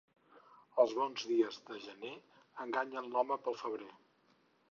Els bons dies de gener enganyen l'home pel febrer.